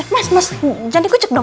mas mas jangan dikucuk dong